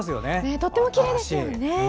とってもきれいですよね。